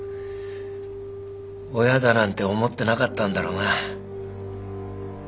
親だなんて思ってなかったんだろうな。